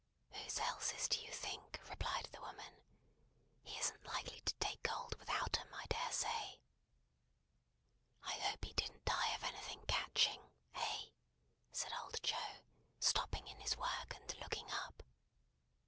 "Whose else's do you think?" replied the woman. "He isn't likely to take cold without 'em, I dare say." "I hope he didn't die of anything catching? Eh?" said old Joe, stopping in his work, and looking up.